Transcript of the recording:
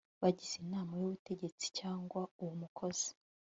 bagize inama y ubutegetsi cyangwa uwo mukozi